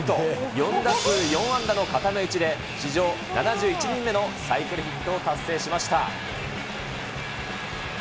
４打数４安打の固め打ちで、史上７１人目のサイクルヒットを達成しました。